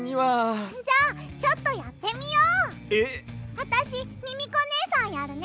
あたしミミコねえさんやるね！